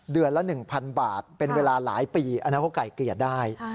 ละ๑๐๐๐บาทเป็นเวลาหลายปีอันนั้นเขาไก่เกลี่ยได้